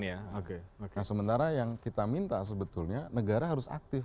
nah sementara yang kita minta sebetulnya negara harus aktif